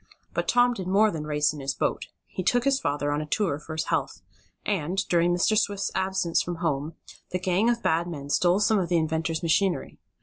But Tom did more than race in his boat. He took his father on a tour for his health, and, during Mr. Swift's absence from home, the gang of bad men stole some of the inventor's machinery.